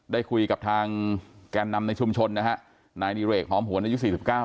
ได้คุยกับทางแกนนำในชุมชนนะฮะนายดิเรกหอมหวนอายุสี่สิบเก้า